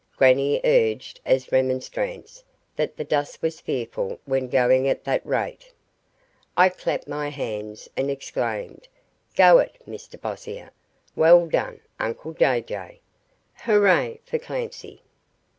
Grannie urged as remonstrance that the dust was fearful when going at that rate. I clapped my hands and exclaimed, "Go it, Mr Bossier! Well done, uncle Jay Jay! Hurrah for Clancy!"